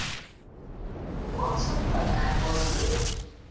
But what sort of a man was he?